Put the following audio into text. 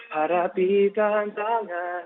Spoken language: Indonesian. harap di tangan tangan